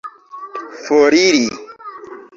foriri